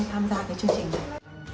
tham gia cái chương trình này